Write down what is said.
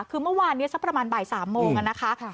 คือเมื่อวานนี้สักประมาณบ่าย๓โมงนะคะ